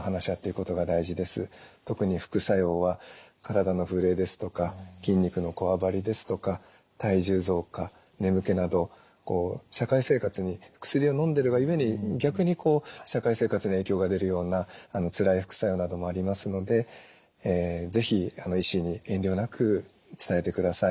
特に副作用は体の震えですとか筋肉のこわばりですとか体重増加眠気など社会生活に薬をのんでるがゆえに逆に社会生活に影響が出るようなつらい副作用などもありますので是非医師に遠慮なく伝えてください。